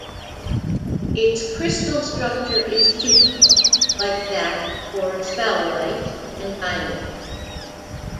Its crystal structure is cubic, like that for sphalerite and diamond.